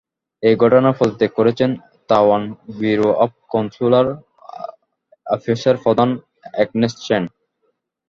এ ঘটনায় পদত্যাগ করেছেন তাইওয়ান ব্যুরো অব কনস্যুলার অ্যাফেয়ার্সের প্রধান অ্যাগ্নেস চেন।